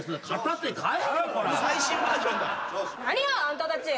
何よあんたたち！